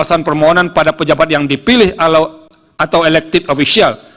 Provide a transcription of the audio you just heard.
apakah permohonan nomor sembilan puluh tahun dua ribu dua puluh tiga akan dipilih atau elective official